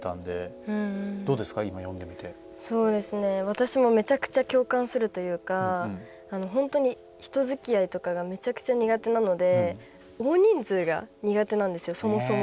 私もめちゃくちゃ共感するというか本当に人づきあいとかがめちゃくちゃ苦手なので大人数が苦手なんですよそもそも。